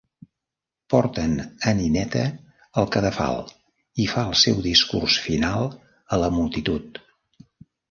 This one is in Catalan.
Porten a Ninetta al cadafal i fa el seu discurs final a la multitud.